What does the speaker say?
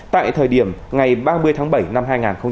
tại thời điểm ngày ba mươi tháng bảy năm hai nghìn hai mươi